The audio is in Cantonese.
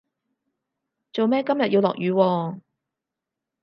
做咩今日要落雨喎